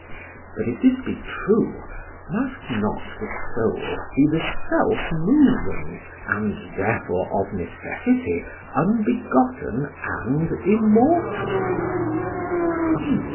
But if this be true, must not the soul be the self moving, and therefore of necessity unbegotten and immortal?